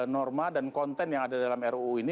norma dan konten yang ada dalam ruu ini